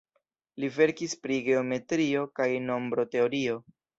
Li verkis pri geometrio kaj nombroteorio.